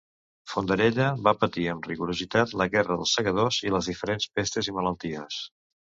Fondarella va patir amb rigorositat la Guerra dels Segadors i les diferents pestes i malalties.